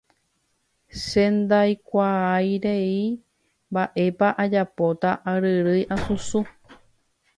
che ndaikuaairei mba'épa ajapóta aryrýi asusũ